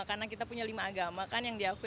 karena kita punya lima agama kan yang diakui